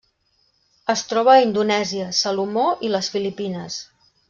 Es troba a Indonèsia, Salomó i les Filipines.